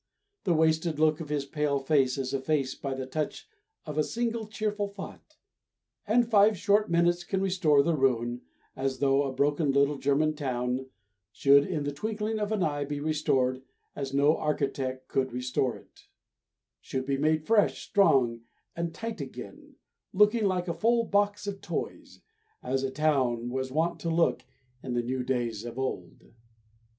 The wasted look of his pale face is effaced by the touch of a single cheerful thought, and five short minutes can restore the ruin, as though a broken little German town should in the twinkling of an eye be restored as no architect could restore it should be made fresh, strong, and tight again, looking like a full box of toys, as a town was wont to look in the new days of old.